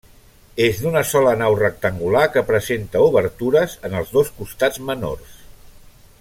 És d'una sola nau rectangular que presenta obertures en els dos costats menors.